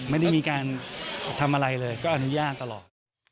ไม่ได้มีการทำอะไรเลยก็อนุญาตตลอด